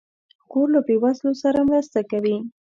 خور له بېوزلو سره مرسته کوي.